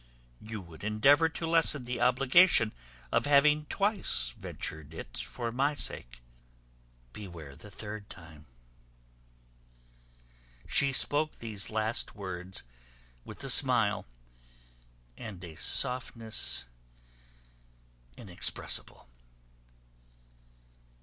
You would endeavour to lessen the obligation of having twice ventured it for my sake. Beware the third time." She spoke these last words with a smile, and a softness inexpressible.